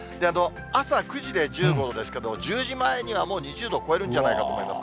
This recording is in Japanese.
朝９時で１５度ですけど、１０時前にはもう２０度を超えるんじゃないかと思います。